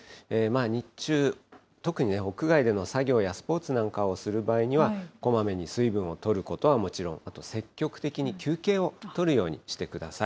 日中、特に屋外での作業やスポーツなんかをする場合には、こまめに水分をとることはもちろん、あと積極的に休憩をとるようにしてください。